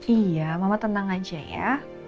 iya mama tenang aja ya